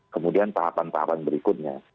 kemudian tahapan tahapan berikutnya